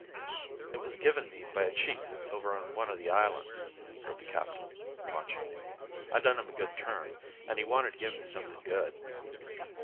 "It was given me by a chief over on one of the islands," said the captain, watching me. "I done him a good turn and he wanted to give me something good."